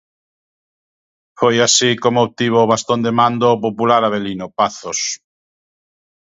Foi así como obtivo o bastón de mando o popular Avelino Pazos.